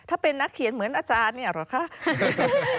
ถ้าเป็นนักเขียนเหมือนอาจารย์นี่หรือเปล่าค่ะ